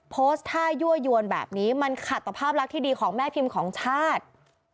โพสต์ท่ายั่วยวนแบบนี้มันขัดต่อภาพลักษณ์ที่ดีของแม่พิมพ์ของชาติ